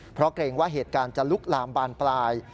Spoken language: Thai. เพราะเกรงว่าเหตุการณ์จะลุกลามบานปลาย